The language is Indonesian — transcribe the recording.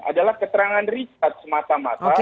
adalah keterangan richard semata mata